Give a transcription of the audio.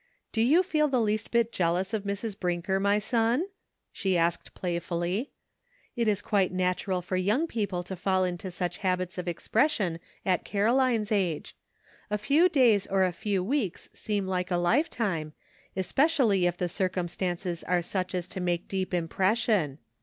"Do you feel the least bit jealous of Mrs. Brinker, my son?'* she asked playfully. "It is 15G DARK DAYS, quite natural for young people to fall into such habits of expression at Caroline's age. A few days or a few weeks seem like a lifetime, espe cially if the circumstances are such as to make deep impression.